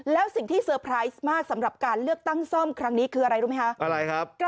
แล้วสิ่งที่เตอร์ไพรส์มากสำหรับการเลือกตั้งซ่อมครั้งนี้คืออะไรรู้ไหมคะ